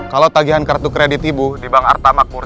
kalau tagihan kartu kredit ibu di bank arta makmur